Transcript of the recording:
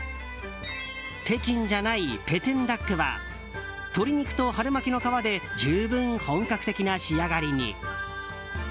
ペキンじゃないペテンダックは鶏肉と春巻きの皮で十分、本格的な仕上がりに。